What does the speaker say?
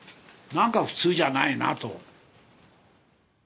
なんか普通じゃないなと。